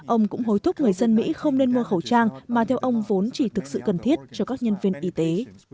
ông cũng hối thúc người dân mỹ không nên mua khẩu trang mà theo ông vốn chỉ thực sự cần thiết cho các nhân viên y tế